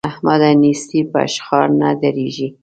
احمده! نېستي په اشخار نه ډېرېږي.